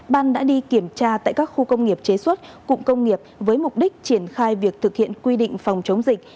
ban đã đi kiểm tra tại các khu công nghiệp chế xuất cụm công nghiệp với mục đích triển khai việc thực hiện quy định phòng chống dịch